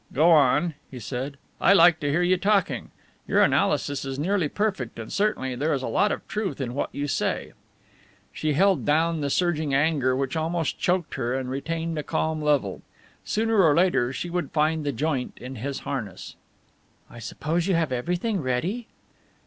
"Go on," he said. "I like to hear you talking. Your analysis is nearly perfect and certainly there is a lot of truth in what you say." She held down the surging anger which almost choked her and retained a calm level. Sooner or later she would find the joint in his harness. "I suppose you have everything ready?"